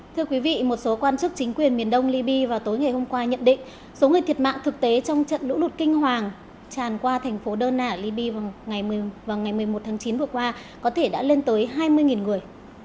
thưa quý vị một số quan chức chính quyền miền đông libya vào tối ngày hôm qua nhận định số người thiệt mạng thực tế trong trận lũ lụt kinh hoàng tràn qua thành phố dona ở liby vào ngày một mươi một tháng chín vừa qua có thể đã lên tới hai mươi người